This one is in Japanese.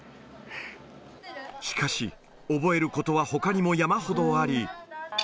しかし、覚えることはほかにも山ほどあり。